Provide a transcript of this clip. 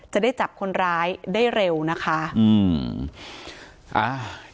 การแก้เคล็ดบางอย่างแค่นั้นเอง